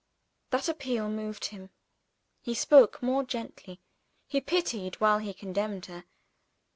That appeal moved him. He spoke more gently; he pitied, while he condemned her.